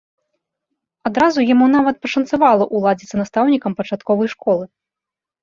Адразу яму нават пашанцавала ўладзіцца настаўнікам пачатковай школы.